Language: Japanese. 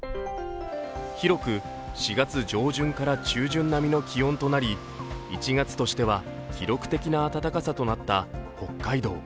広く４月上旬から中旬並みの気温となり１月としては記録的な暖かさとなった北海道。